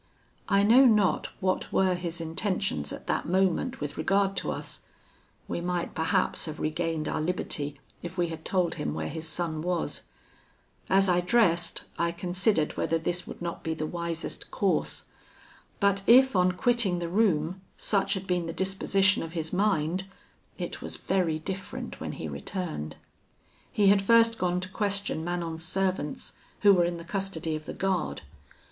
"I know not what were his intentions at that moment with regard to us; we might perhaps have regained our liberty if we had told him where his son was. As I dressed, I considered whether this would not be the wisest course. But if, on quitting the room, such had been the disposition of his mind, it was very different when he returned. He had first gone to question Manon's servants, who were in the custody of the guard.